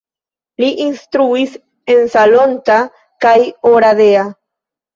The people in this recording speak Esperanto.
Li instruis en Salonta kaj Oradea.